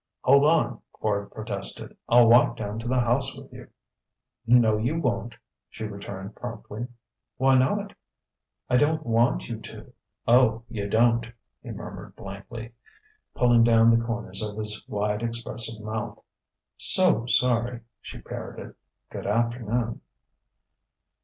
"Hold on!" Quard protested. "I'll walk down to the house with you." "No, you won't," she returned promptly. "Why not?" "I don't want you to." "Oh, you don't!" he murmured blankly, pulling down the corners of his wide, expressive mouth. "So sorry," she parroted. "G'dafternoon."